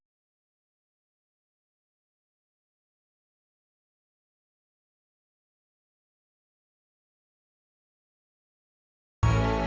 terima kasih udah nonton